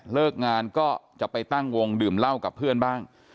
เลิกงานก็จะไปตั้งวงดื่มเหล้ากับเพื่อนบ้าง